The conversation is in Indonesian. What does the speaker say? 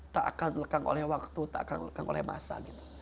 tak akan lekang oleh waktu tak akan lekang oleh masa gitu